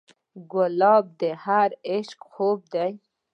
ګلاب د هر عاشق خوب دی.